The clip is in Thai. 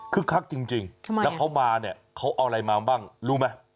คือคักจริงแล้วเขามาเนี่ยเขาเอาอะไรมาบ้างรู้ไหม